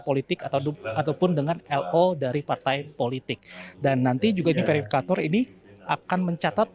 politik ataupun dengan lo dari partai politik dan nanti juga ini verifikator ini akan mencatat